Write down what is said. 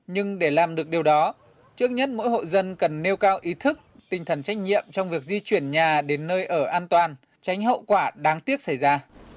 nhưng để làm được điều đó trước nhất mỗi hộ dân cần nêu cao ý thức tinh thần trách nhiệm trong việc di chuyển nhà đến nơi ở an toàn tránh hậu quả đáng tiếc xảy ra